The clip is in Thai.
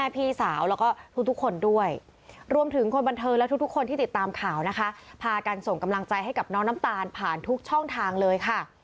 เพราะว่าน้องน้ำตาลผ่านทุกช่องทางเลยค่ะ